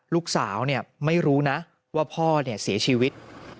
ลูกสาวเนี่ยไม่รู้นะว่าพ่อเนี่ยเสียชีวิต